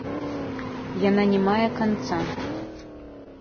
Яна не мае канца.